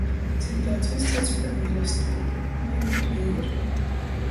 Cik daudz izdzarts par mīlesteibu... Nu i kur jei ir?